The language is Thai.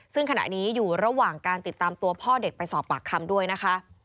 ซึ่งขณะนี้อยู่ระหว่างการติดตามตัวพ่อเด็กไปสอบปากคำด้วยนะคะ